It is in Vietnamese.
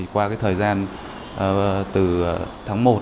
qua thời gian từ tháng một